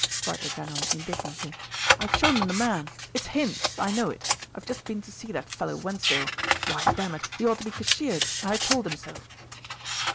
cried the general indignantly. "I've shown them the man. It's Hinds; I know it. I've just been to see that fellow Wensdale. Why, dammit! he ought to be cashiered, and I told him so."